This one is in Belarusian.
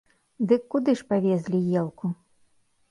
Дык куды ж павезлі елку?